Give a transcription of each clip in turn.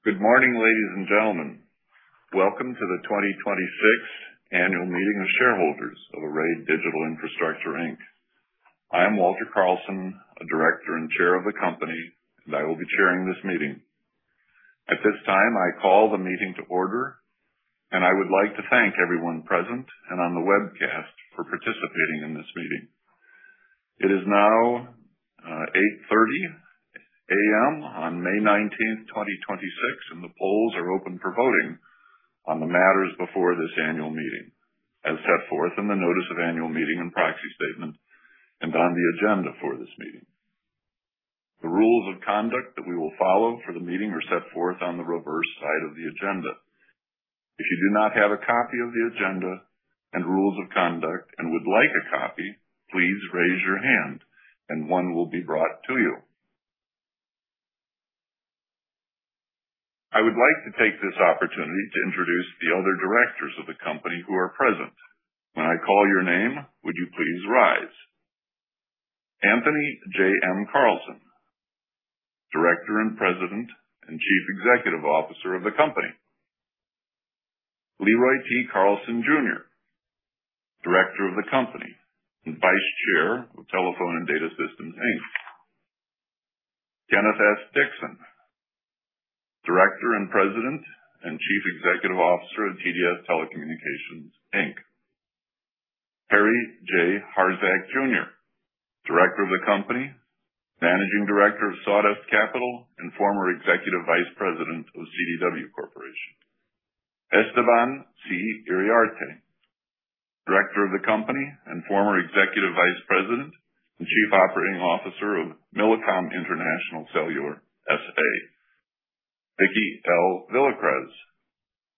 Good morning, ladies and gentlemen. Welcome to the 2026 annual meeting of shareholders of Array Digital Infrastructure, Inc. I am Walter Carlson, a director and chair of the company, and I will be chairing this meeting. At this time, I call the meeting to order, and I would like to thank everyone present and on the webcast for participating in this meeting. It is now 8:30 A.M. on May 19, 2026, and the polls are open for voting on the matters before this annual meeting, as set forth in the notice of annual meeting and proxy statement and on the agenda for this meeting. The rules of conduct that we will follow for the meeting are set forth on the reverse side of the agenda. If you do not have a copy of the agenda and rules of conduct and would like a copy, please raise your hand, and one will be brought to you. I would like to take this opportunity to introduce the other directors of the company who are present. When I call your name, would you please rise? Anthony J. M. Carlson, Director and President and Chief Executive Officer of the company. LeRoy T. Carlson, Jr., Director of the company and Vice Chair of Telephone and Data Systems, Inc. Kenneth S. Dixon, Director and President and Chief Executive Officer of TDS Telecommunications, Inc. Harry J. Harczak, Jr., Director of the company, Managing Director of Sawdust Capital, and former Executive Vice President of CDW Corporation. Esteban C. Iriarte, Director of the company and former Executive Vice President and Chief Operating Officer of Millicom International Cellular, S.A. Vicki L. Villacrez,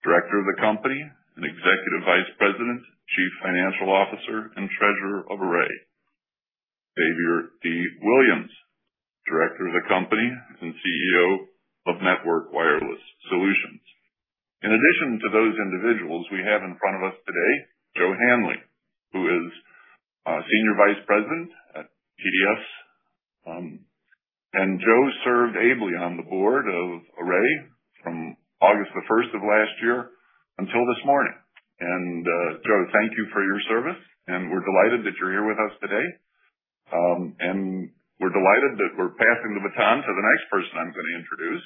Director of the company and Executive Vice President, Chief Financial Officer, and Treasurer of Array. Xavier D. Williams, Director of the company and CEO of Network Wireless Solutions. In addition to those individuals, we have in front of us today Joe Hanley, who is Senior Vice President at TDS. Joe served ably on the board of Array from August 1st of last year until this morning. Joe, thank you for your service, and we're delighted that you're here with us today. We're delighted that we're passing the baton to the next person I'm going to introduce.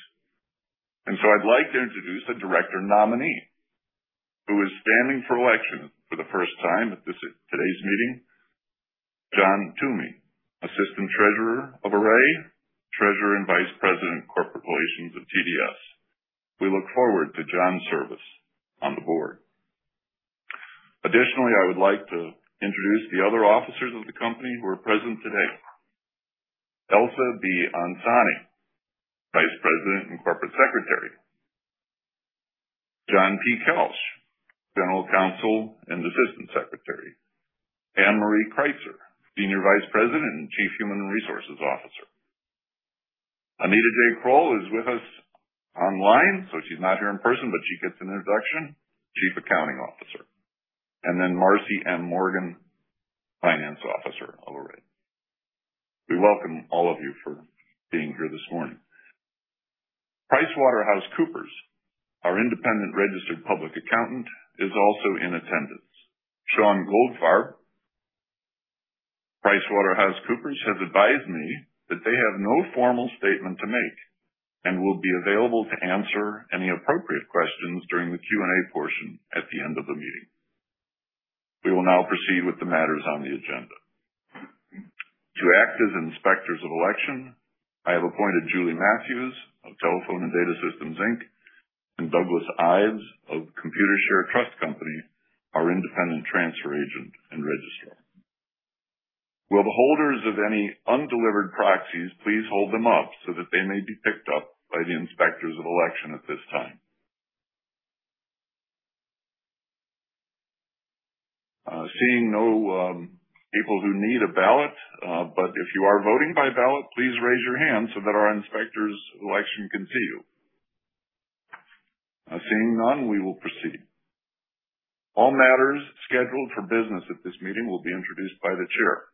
I'd like to introduce a director nominee who is standing for election for the first time at today's meeting, John Toomey, assistant treasurer of Array, treasurer and vice president of corporate relations of TDS. We look forward to John's service on the board. Additionally, I would like to introduce the other officers of the company who are present today. Elsa B. Ansani, Vice President and Corporate Secretary. John P. Kelsh, General Counsel and Assistant Secretary. AnnMarie Kreitzer, Senior Vice President and Chief Human Resources Officer. Anita J. Kroll is with us online, so she's not here in person, but she gets an introduction. Chief Accounting Officer. Marci M. Morgan, finance officer of Array. We welcome all of you for being here this morning. PricewaterhouseCoopers, our independent registered public accountant, is also in attendance. Sean Goldfarb, PricewaterhouseCoopers, has advised me that they have no formal statement to make and will be available to answer any appropriate questions during the Q&A portion at the end of the meeting. We will now proceed with the matters on the agenda. To act as inspectors of election, I have appointed Julie Mathews of Telephone and Data Systems, Inc., and Douglas Ives of Computershare Trust Company, our independent transfer agent and registrar. Will the holders of any undelivered proxies, please hold them up so that they may be picked up by the inspectors of election at this time? Seeing no people who need a ballot, if you are voting by ballot, please raise your hand so that our inspectors of election can see you. Seeing none, we will proceed. All matters scheduled for business at this meeting will be introduced by the chair.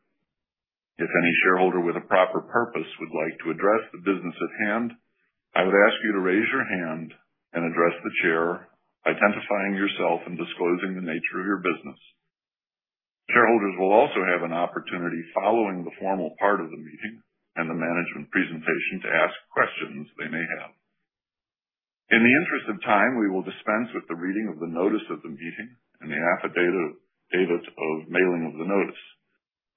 If any shareholder with a proper purpose would like to address the business at hand, I would ask you to raise your hand and address the chair, identifying yourself and disclosing the nature of your business. Shareholders will also have an opportunity following the formal part of the meeting and the management presentation to ask questions they may have. In the interest of time, we will dispense with the reading of the notice of the meeting and the affidavit of mailing of the notice.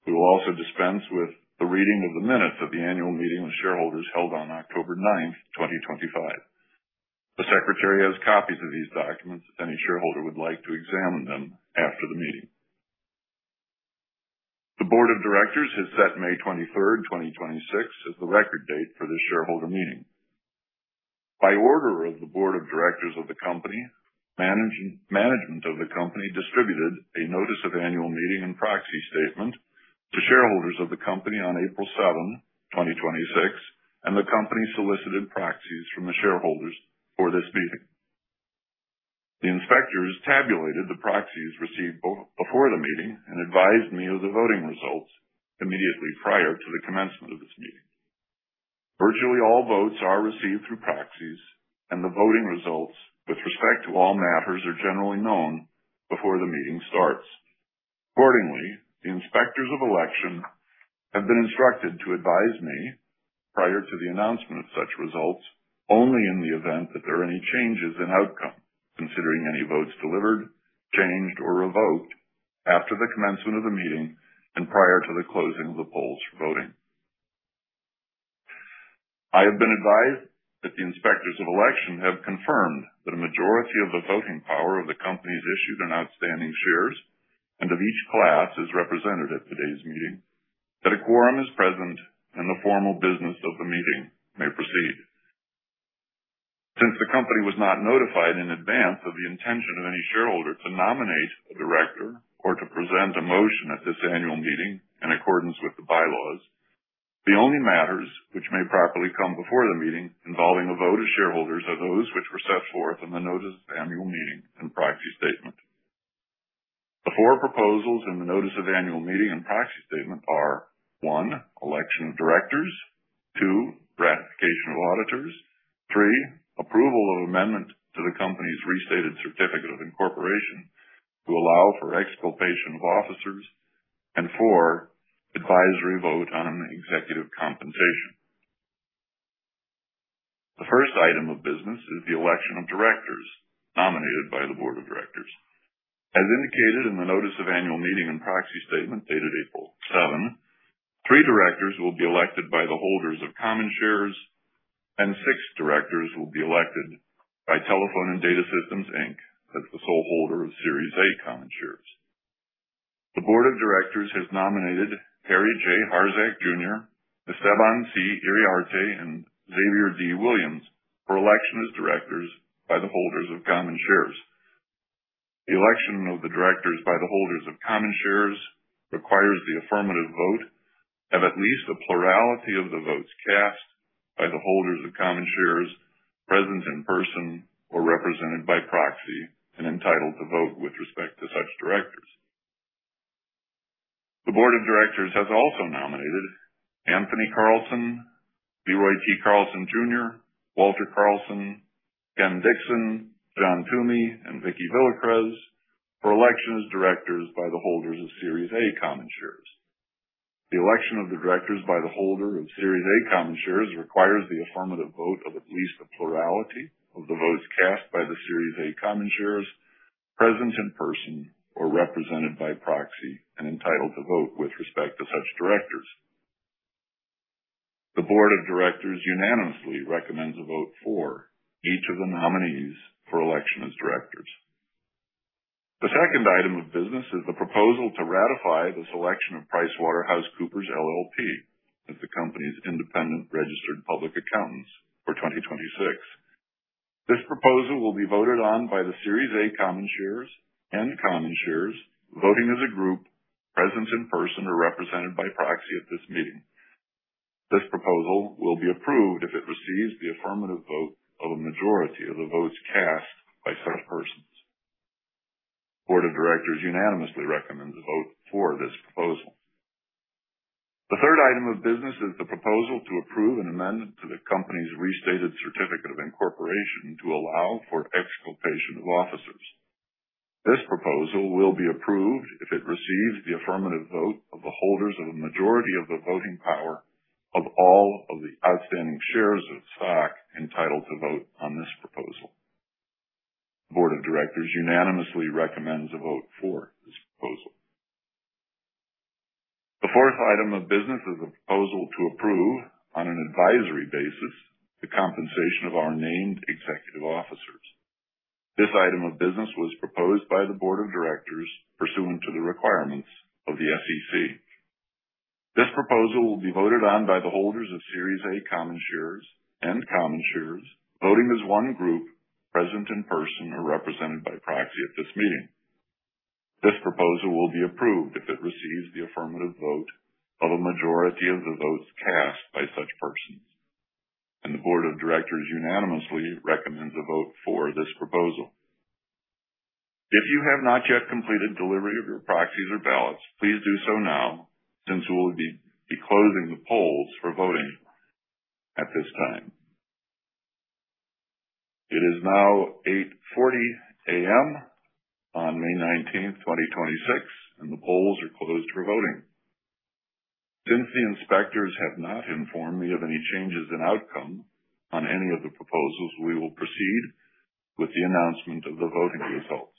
We will also dispense with the reading of the minutes of the annual meeting of shareholders held on October 9th, 2025. The secretary has copies of these documents if any shareholder would like to examine them after the meeting. The board of directors has set May 23rd, 2026, as the record date for this shareholder meeting. By order of the board of directors of the company, management of the company distributed a notice of annual meeting and proxy statement to shareholders of the company on April 7th, 2026, and the company solicited proxies from the shareholders for this meeting. The inspectors tabulated the proxies received before the meeting and advised me of the voting results immediately prior to the commencement of this meeting. Virtually all votes are received through proxies, and the voting results with respect to all matters are generally known before the meeting starts. Accordingly, the inspectors of election have been instructed to advise me prior to the announcement of such results only in the event that there are any changes in outcome, considering any votes delivered, changed, or revoked after the commencement of the meeting and prior to the closing of the polls for voting. I have been advised that the inspectors of election have confirmed that a majority of the voting power of the company's issued and outstanding shares and of each class is represented at today's meeting, that a quorum is present, and the formal business of the meeting may proceed. Since the company was not notified in advance of the intention of any shareholder to nominate a director or to present a motion at this annual meeting in accordance with the bylaws, the only matters which may properly come before the meeting involving a vote of shareholders are those which were set forth in the notice of annual meeting and proxy statement. The four proposals in the notice of annual meeting and proxy statement are: 1) election of directors, 2) ratification of auditors, 3) approval of amendment to the company's restated certificate of incorporation to allow for exculpation of officers, and 4) advisory vote on executive compensation. The first item of business is the election of directors nominated by the board of directors. As indicated in the notice of annual meeting and proxy statement dated April 7th, three directors will be elected by the holders of common shares, and six directors will be elected by Telephone and Data Systems, Inc., as the sole holder of Series A common shares. The board of directors has nominated Harry J. Harczak, Jr., Esteban C. Iriarte, and Xavier D. Williams for election as directors by the holders of common shares. The election of the directors by the holders of common shares requires the affirmative vote of at least a plurality of the votes cast by the holders of common shares present in person or represented by proxy and entitled to vote with respect to such directors. The board of directors has also nominated Anthony J. M. Carlson, LeRoy T. Carlson, Jr., Walter Carlson, Ken Dixon, John Toomey, and Vicki L. Villacrez for election as directors by the holders of Series A common shares. The election of the directors by the holder of Series A common shares requires the affirmative vote of at least a plurality of the votes cast by the Series A common shares present in person or represented by proxy and entitled to vote with respect to such directors. The board of directors unanimously recommends a vote for each of the nominees for election as directors. The second item of business is the proposal to ratify the selection of PricewaterhouseCoopers LLP as the company's independent registered public accountants for 2026. This proposal will be voted on by the Series A common shares and common shares voting as a group present in person or represented by proxy at this meeting. This proposal will be approved if it receives the affirmative vote of a majority of the votes cast by such persons. The board of directors unanimously recommends a vote for this proposal. The third item of business is the proposal to approve an amendment to the company's restated certificate of incorporation to allow for exculpation of officers. This proposal will be approved if it receives the affirmative vote of the holders of a majority of the voting power of all of the outstanding shares of stock entitled to vote on this proposal. The board of directors unanimously recommends a vote for this proposal. The fourth item of business is a proposal to approve on an advisory basis the compensation of our named executive officers. This item of business was proposed by the board of directors pursuant to the requirements of the SEC. This proposal will be voted on by the holders of Series A common shares and common shares voting as one group present in person or represented by proxy at this meeting. This proposal will be approved if it receives the affirmative vote of a majority of the votes cast by such persons. The board of directors unanimously recommends a vote for this proposal. If you have not yet completed delivery of your proxies or ballots, please do so now since we will be closing the polls for voting at this time. It is now 8:40 A.M. on May 19th, 2026, and the polls are closed for voting. Since the inspectors have not informed me of any changes in outcome on any of the proposals, we will proceed with the announcement of the voting results.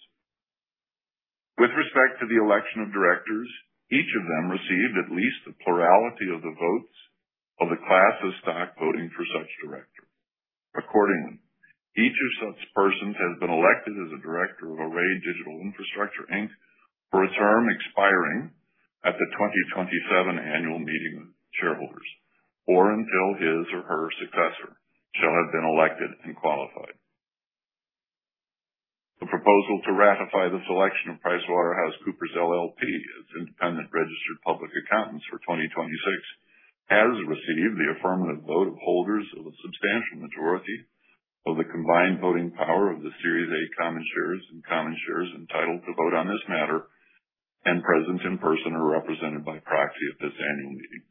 With respect to the election of directors, each of them received at least a plurality of the votes of the class of stock voting for such director. Accordingly, each of such persons has been elected as a director of Array Digital Infrastructure, Inc., for a term expiring at the 2027 annual meeting of shareholders or until his or her successor shall have been elected and qualified. The proposal to ratify the selection of PricewaterhouseCoopers LLP as independent registered public accountants for 2026 has received the affirmative vote of holders of a substantial majority of the combined voting power of the Series A common shares and common shares entitled to vote on this matter and present in person or represented by proxy at this annual meeting.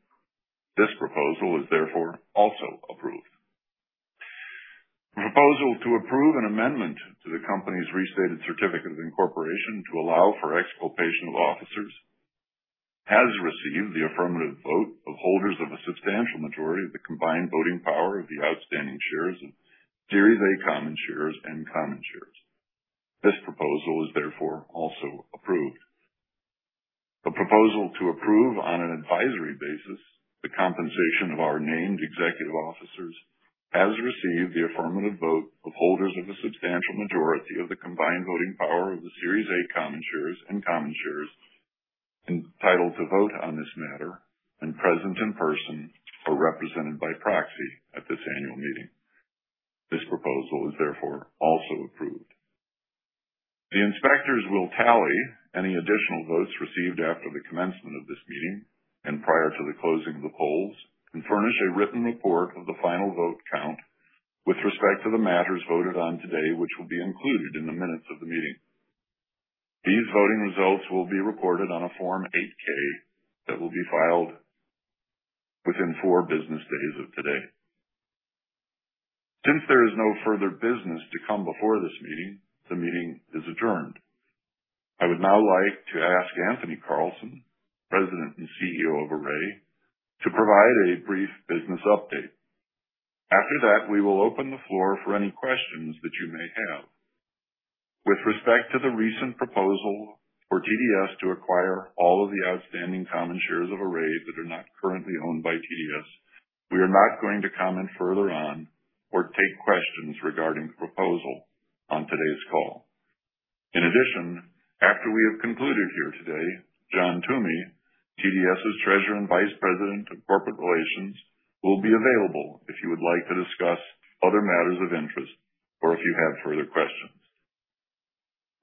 This proposal is therefore also approved. The proposal to approve an amendment to the company's restated certificate of incorporation to allow for exculpation of officers has received the affirmative vote of holders of a substantial majority of the combined voting power of the outstanding shares of Series A common shares and common shares. This proposal is therefore also approved. The proposal to approve on an advisory basis the compensation of our named executive officers has received the affirmative vote of holders of a substantial majority of the combined voting power of the Series A common shares and common shares entitled to vote on this matter and present in person or represented by proxy at this annual meeting. This proposal is therefore also approved. The inspectors will tally any additional votes received after the commencement of this meeting and prior to the closing of the polls and furnish a written report of the final vote count with respect to the matters voted on today, which will be included in the minutes of the meeting. These voting results will be reported on a Form 8-K that will be filed within four business days of today. Since there is no further business to come before this meeting, the meeting is adjourned. I would now like to ask Anthony Carlson, President and CEO of Array, to provide a brief business update. After that, we will open the floor for any questions that you may have. With respect to the recent proposal for TDS to acquire all of the outstanding common shares of Array that are not currently owned by TDS, we are not going to comment further on or take questions regarding the proposal on today's call. In addition, after we have concluded here today, John Toomey, TDS's Treasurer and Vice President of Corporate Relations, will be available if you would like to discuss other matters of interest or if you have further questions.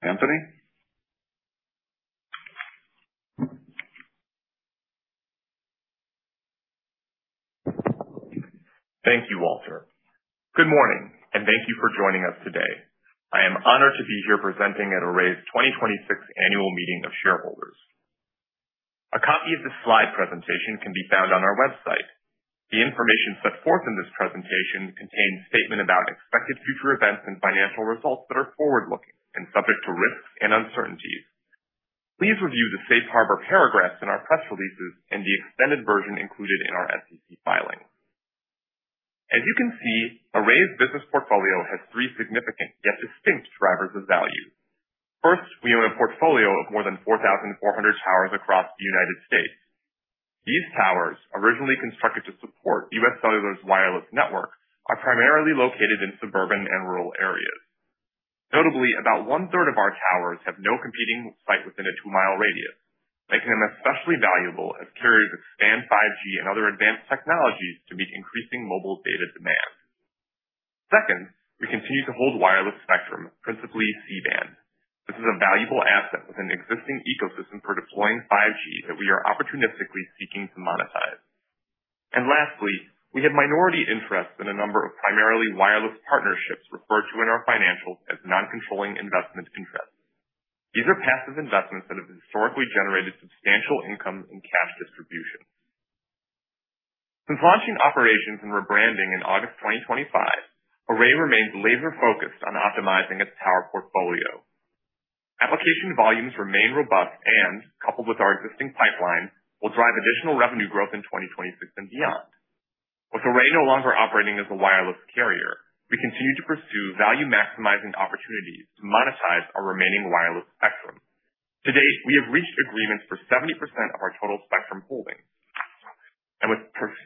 Anthony? Thank you, Walter. Good morning, thank you for joining us today. I am honored to be here presenting at Array's 2026 annual meeting of shareholders. A copy of this slide presentation can be found on our website. The information set forth in this presentation contains a statement about expected future events and financial results that are forward-looking and subject to risks and uncertainties. Please review the Safe Harbor paragraphs in our press releases and the extended version included in our SEC filing. As you can see, Array's business portfolio has three significant yet distinct drivers of value. First, we own a portfolio of more than 4,400 towers across the United States. These towers, originally constructed to support UScellular's wireless network, are primarily located in suburban and rural areas. Notably, about 1/3 of our towers have no competing site within a 2-mile radius, making them especially valuable as carriers expand 5G and other advanced technologies to meet increasing mobile data demand. Second, we continue to hold wireless spectrum, principally C-band. This is a valuable asset within an existing ecosystem for deploying 5G that we are opportunistically seeking to monetize. Lastly, we have minority interests in a number of primarily wireless partnerships referred to in our financials as non-controlling investment interests. These are passive investments that have historically generated substantial income in cash distribution. Since launching operations and rebranding in August 2025, Array remains laser-focused on optimizing its tower portfolio. Application volumes remain robust and, coupled with our existing pipeline, will drive additional revenue growth in 2026 and beyond. With Array no longer operating as a wireless carrier, we continue to pursue value-maximizing opportunities to monetize our remaining wireless spectrum. To date, we have reached agreements for 70% of our total spectrum holdings. With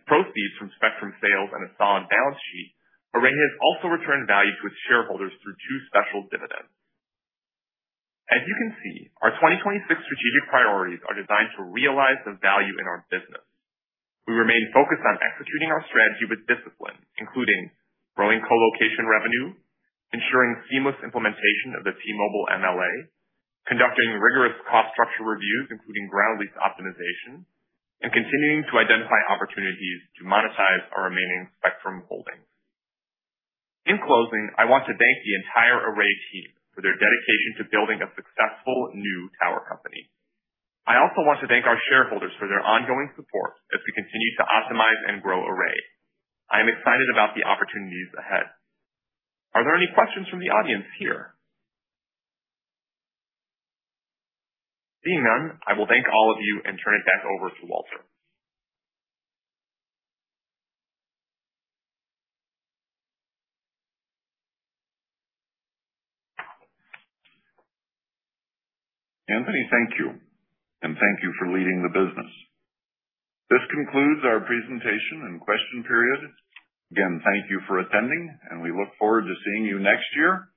proceeds from spectrum sales and a solid balance sheet, Array has also returned value to its shareholders through two special dividends. As you can see, our 2026 strategic priorities are designed to realize the value in our business. We remain focused on executing our strategy with discipline, including growing colocation revenue, ensuring seamless implementation of the T-Mobile MLA, conducting rigorous cost structure reviews, including ground lease optimization, and continuing to identify opportunities to monetize our remaining spectrum holdings. In closing, I want to thank the entire Array team for their dedication to building a successful new tower company. I also want to thank our shareholders for their ongoing support as we continue to optimize and grow Array. I am excited about the opportunities ahead. Are there any questions from the audience here? Seeing none, I will thank all of you and turn it back over to Walter. Anthony, thank you. Thank you for leading the business. This concludes our presentation and question period. Again, thank you for attending, and we look forward to seeing you next year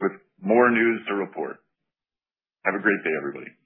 with more news to report. Have a great day, everybody.